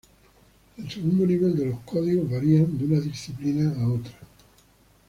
El segundo nivel de los códigos varían de una disciplina a otra.